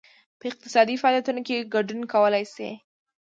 په اقتصادي فعالیتونو کې ګډون کولای شي.